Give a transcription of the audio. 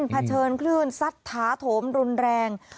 เผชิญคลื่นซัดถาโถมรุนแรง